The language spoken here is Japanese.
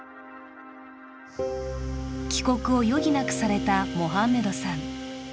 帰国を余儀なくされたモハンメドさん。